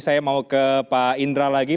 saya mau ke pak indra lagi